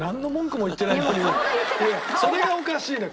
それがおかしいのよ！